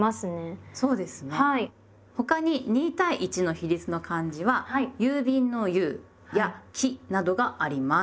他に２対１の比率の漢字は郵便の「郵」や「期」などがあります。